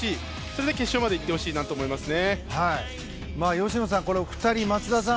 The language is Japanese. それで決勝まで行ってほしいと思いますね。